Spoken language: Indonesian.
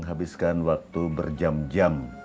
habiskan waktu berjam jam